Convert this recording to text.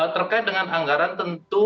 terkait dengan anggaran tentu